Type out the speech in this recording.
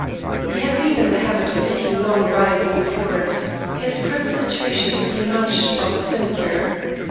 He had been in the habit of taking long rides in the forest, his present situation being much of a sinecure.